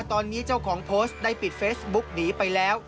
ตอนนี้เจ้าของโพสต์ได้ปิดเฟซบุ๊กหนีไปแล้ว